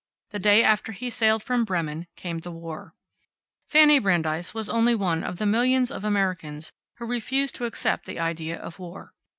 The day after he sailed from Bremen came the war. Fanny Brandeis was only one of the millions of Americans who refused to accept the idea of war.